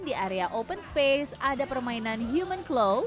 di area open space ada permainan human clow